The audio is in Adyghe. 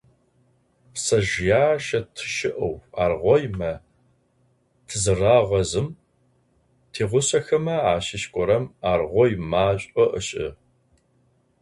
Пцэжъыяшэ тыщыӏэу аргъоймэ тызырагъэзым, тигъусэхэмэ ащыщ горэм аргъой машӏо ышӏыгъ.